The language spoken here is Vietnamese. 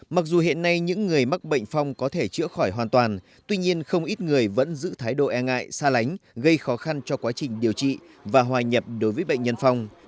bệnh nhân phong có thể chữa khỏi hoàn toàn tuy nhiên không ít người vẫn giữ thái độ e ngại xa lánh gây khó khăn cho quá trình điều trị và hòa nhập đối với bệnh nhân phong